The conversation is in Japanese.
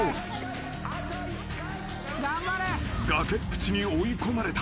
［崖っぷちに追い込まれた］